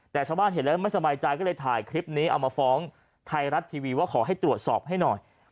แต่ชาวบ้านเห็นแล้วไม่สบายใจก็เลยถ่ายคลิปนี้เอามาฟ้องไทยรัฐทีวีว่าขอให้ตรวจสอบให้หน่อย